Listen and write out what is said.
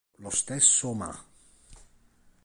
Lo stesso Ma.